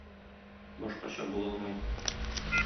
Башкача була алмый.